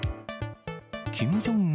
キム・ジョンウン